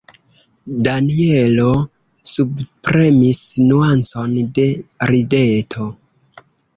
Danjelo subpremis nuancon de rideto.